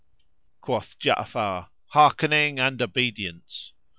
Quoth Ja'afar, "Hearkening and obedience!"